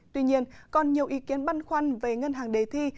tuy nhiên còn nhiều ý kiến băn khoăn về ngân hàng đề thi